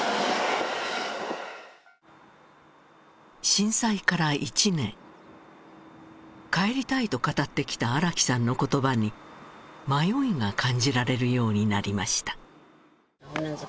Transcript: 震災から１年帰りたいと語ってきた荒木さんの言葉に迷いが感じられるようになりました